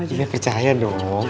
iya percaya dong